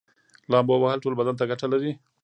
لامبو وهل ټول بدن ته ګټه لري